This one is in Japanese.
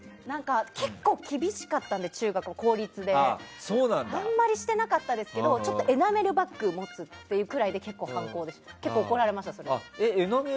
結構、厳しかったので中学が公立であまりしてなかったですけどエナメルバッグを持つぐらいで反抗で結構怒られました、それで。